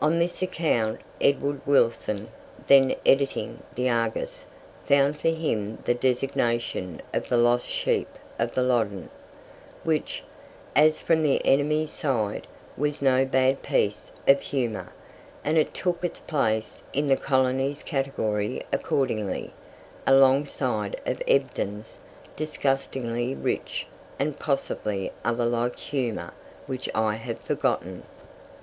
On this account, Edward Wilson, then editing "The Argus", found for him the designation of "the lost sheep of the Loddon," which, as from the enemy's side, was no bad piece of humour; and it took its place in the colony's category accordingly; alongside of Ebden's "disgustingly rich," and possibly other like humour which I have forgotten.